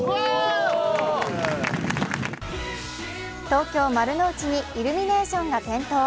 東京・丸の内にイルミネーションが点灯。